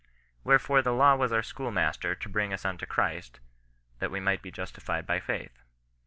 Wherefore the law was our schoolmaster to bring us unto Christ, that we might be justified by faith.